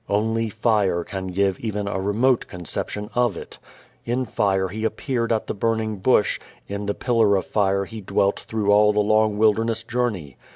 Only fire can give even a remote conception of it. In fire He appeared at the burning bush; in the pillar of fire He dwelt through all the long wilderness journey.